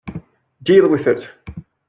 Deal with it!